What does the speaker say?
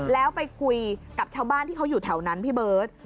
แล้วไปคุยกับชาวบ้านที่เขาอยู่แถวนั้นพี่เบิร์ต